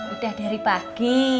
udah dari pagi